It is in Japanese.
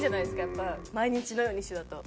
やっぱ毎日のように一緒だと。